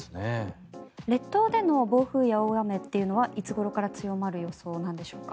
列島での暴風や大雨というのはいつごろから強まる予想なんでしょうか。